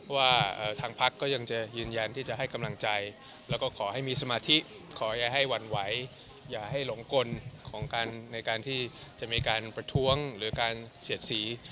ว่าทางพักก็ยังจะยืนยันที่จะให้กำลังใจแล้วก็ขอให้มีสมาธิขออย่าให้หวั่นไหวอย่าให้หลงกลของการในการที่จะมีการประท้วงหรือการเสียดสี